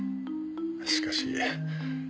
しかし。